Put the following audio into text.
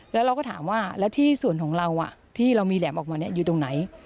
แล้วเราก็ถามว่าแล้วที่ส่วนของเราที่เรามีแหลมออกมาอยู่ตรงไหน